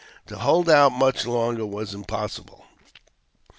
To hold out much longer was impossible.